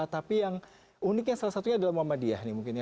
tapi yang uniknya salah satunya adalah muhammadiyah nih mungkin ya